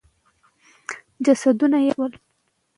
جسدونه ښخ سول.